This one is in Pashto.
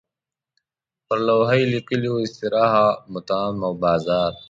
پر لوحه یې لیکلي وو استراحه، مطعم او بازار.